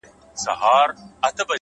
مهرباني د زړونو دروازې پرانیزي’